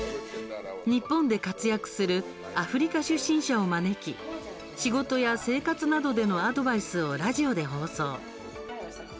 日本で活躍するアフリカ出身者を招き仕事や生活などでのアドバイスをラジオで放送。